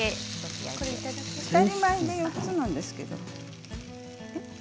２人前で４つなんですけれど。